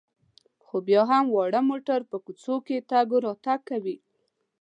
خو بیا هم واړه موټر په کوڅو کې تګ راتګ کوي.